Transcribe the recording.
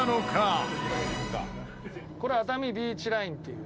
長嶋：これ熱海ビーチラインっていう。